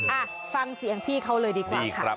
อ่ะฟังเสียงพี่เขาเลยดีกว่าค่ะ